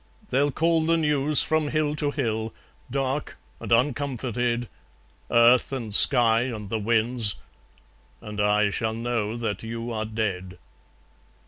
They'll call the news from hill to hill, Dark and uncomforted, Earth and sky and the winds; and I Shall know that you are dead.